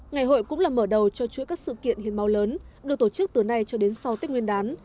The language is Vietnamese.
ngày hội cũng là mở đầu cho chuỗi các sự kiện hiến máu lớn được tổ chức từ nay cho đến sau tết nguyên đán